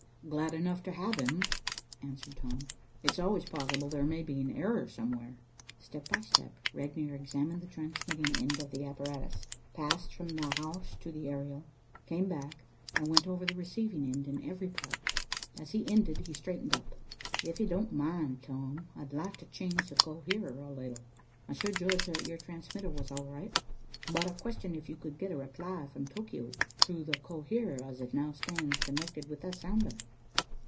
"Glad enough to have him," answered Tom. "It's always possible there may be an error somewhere." Step by step, Regnier examined the transmitting end of the apparatus, passed from the house to the aerial, came back, and went over the receiving end in every part. As he ended, he straightened up. "If you don't mind, Tom, I'd like to change that coherer a little. I should judge that your transmitter was all right, but I question if you could get a reply from Tokio through the coherer, as it now stands connected with that sounder."